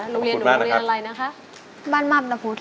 โรงเรียนหนูโรงเรียนอะไรนะคะ